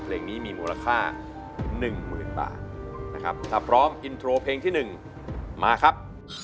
เพลงนี้มีมูลค่า๑๐๐๐บาทนะครับถ้าพร้อมอินโทรเพลงที่๑มาครับ